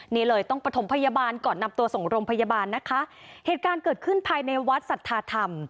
นี่เลยต้องประถมพยาบาลก่อนนำตัวส่งโรงพยาบาลนะคะเหตุการณ์เกิดขึ้นภายในวัดสัทธาธรรม